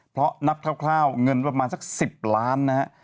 เพราะนับคร่าวเงินประมาณสัก๑๐ล้านนะฮะ